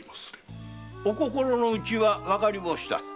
御心のうちはわかり申した。